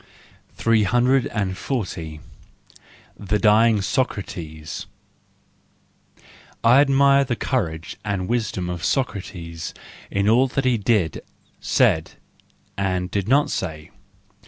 340 . The Dying Socrates .—I admire the courage and wisdom of Socrates in all that he did, said—and did not say.